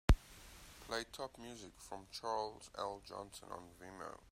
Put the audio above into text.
Play top music from Charles L. Johnson on vimeo